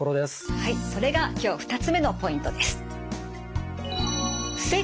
はいそれが今日２つ目のポイントです。